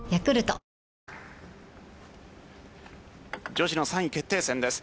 女子の３位決定戦です。